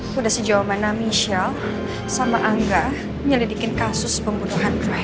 sudah sejauh mana michelle sama angga menyelidikin kasus pembunuhan